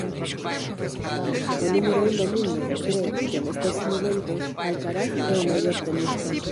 O número un do mundo cre que nestes momentos Alcaraz é o mellor tenista.